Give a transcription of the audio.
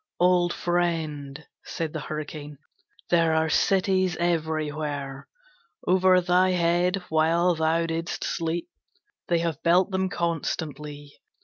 'Old friend,' said the Hurricane, 'there are cities everywhere. Over thy head while thou didst sleep they have built them constantly.